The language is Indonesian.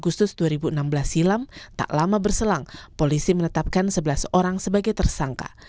kasus ini terjadi pada dua puluh tujuh agustus dua ribu enam belas silam tak lama berselang polisi menetapkan sebelas orang sebagai tersangka